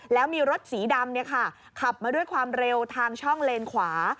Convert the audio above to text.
แล้วมีรถสีดำขับมาด้วยความเร็วทางช่องเลนขวา